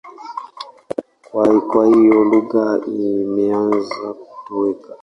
Kwa hiyo lugha imeanza kutoweka.